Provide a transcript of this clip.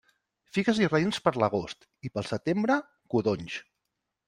Figues i raïms per l'agost, i pel setembre, codonys.